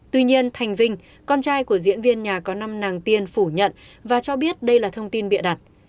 tuy nhiên thành vinh con trai của diễn viên nhà có năm nàng tiên phủ nhận và cho biết đây là thông tin bịa đặt